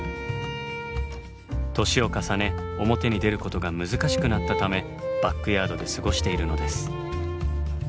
年を重ね表に出ることが難しくなったためバックヤードで過ごしているのです。